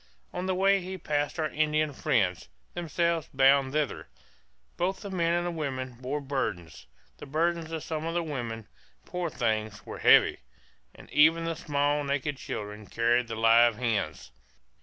On the way we passed our Indian friends, themselves bound thither; both the men and the women bore burdens the burdens of some of the women, poor things, were heavy and even the small naked children carried the live hens.